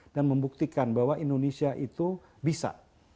dan membuktikan bahwa indonesia itu bisa